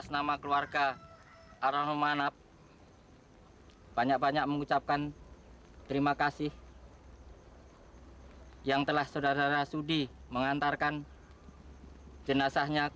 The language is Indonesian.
sampai jumpa di video selanjutnya